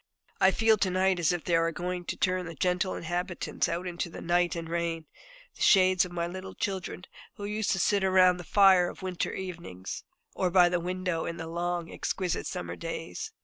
I feel to night as if they were going to turn the gentle inhabitants out into the night and rain, the shades of my little children who used to sit round the fire of winter evenings, or by the window in the long, exquisite summer days.